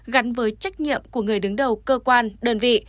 gắn với trách nhiệm của người đứng đầu cơ quan đơn vị